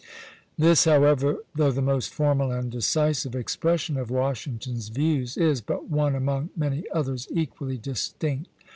_" This, however, though the most formal and decisive expression of Washington's views, is but one among many others equally distinct.